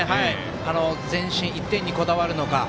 前進、１点にこだわるのか。